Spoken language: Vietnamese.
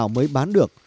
lúc nào mới bán được